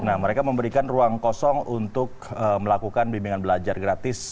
nah mereka memberikan ruang kosong untuk melakukan bimbingan belajar gratis